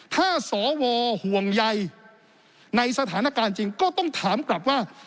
ถ้าสวห่วงใยในสถานการณ์จริงก็ต้องถามกลับว่า